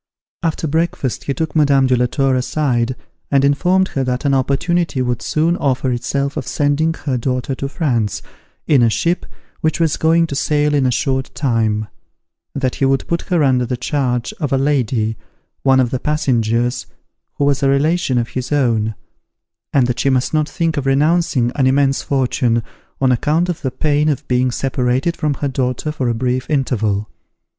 After breakfast, he took Madame de la Tour aside and informed her that an opportunity would soon offer itself of sending her daughter to France, in a ship which was going to sail in a short time; that he would put her under the charge of a lady, one of the passengers, who was a relation of his own; and that she must not think of renouncing an immense fortune, on account of the pain of being separated from her daughter for a brief interval.